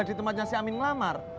di tempatnya si amin melamar